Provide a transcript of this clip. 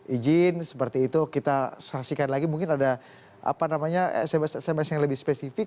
ijin seperti itu kita saksikan lagi mungkin ada apa namanya sms sms yang lebih spesifik